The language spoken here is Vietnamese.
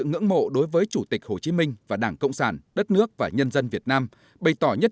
ngưỡng mộ đối với chủ tịch hồ chí minh và đảng cộng sản đất nước và nhân dân việt nam bày tỏ nhất